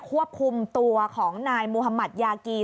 ควบคุมตัวของนายมุธมัธยากี